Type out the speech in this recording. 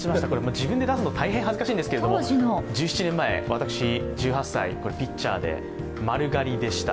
自分で出すの大変恥ずかしいんですけど１７年前、１８歳ピッチャーで、丸刈りでした。